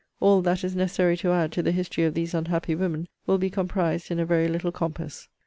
All that is necessary to add to the history of these unhappy women, will be comprised in a very little compass.